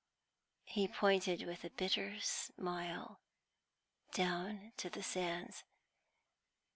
He pointed with a bitter smile down to the sands.